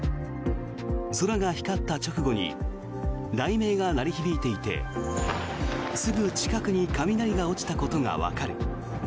空が光った直後に雷鳴が鳴り響いていてすぐ近くに雷が落ちたことがわかる。